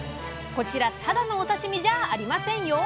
こちらただのお刺身じゃありませんよ。